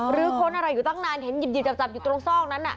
หรือคนอะไรอยู่ตั้งนานเห็นหยิบหยิบจับจับอยู่ตรงซอกนั้นน่ะ